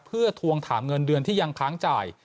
เพื่อทวงถามเงินเดือนที่ยังค้างจ่าย